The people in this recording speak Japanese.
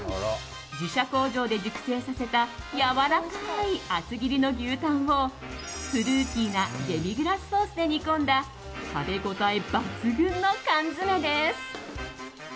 自社工場で熟成させたやわらかい厚切りの牛タンをフルーティーなデミグラスソースで煮込んだ食べ応え抜群の缶詰です。